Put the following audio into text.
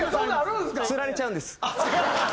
つられちゃうんです。